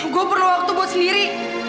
gue perlu waktu buat sendiri